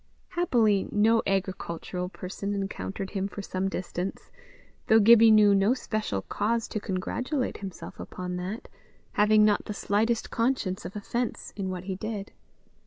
Happily no agricultural person encountered him for some distance, though Gibbie knew no special cause to congratulate himself upon that, having not the slightest conscience of offence in what he did.